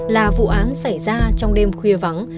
là vụ án xảy ra trong đêm khuya vắng